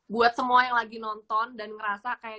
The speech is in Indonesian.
buat semua yang lagi nonton dan ngerasa kayak